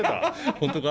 本当か？